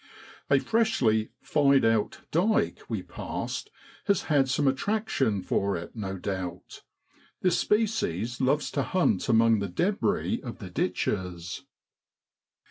A freshly ' fyed out ' dyke we passed has had some attraction for it, no doubt ; this species loves to hunt among the debris of the ditches.